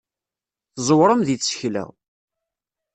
Tẓewrem deg tsekla.